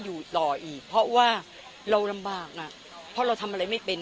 อยู่ต่ออีกเพราะว่าเราลำบากน่ะเพราะเราทำอะไรไม่เป็น